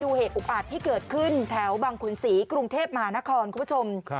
เหตุอุกอาจที่เกิดขึ้นแถวบังขุนศรีกรุงเทพมหานครคุณผู้ชม